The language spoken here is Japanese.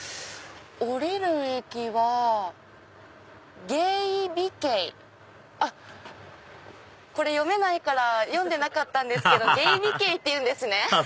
降りる駅は「げいびけい」。あっこれ読めないから読んでなかったんですけど猊鼻渓っていうんですね。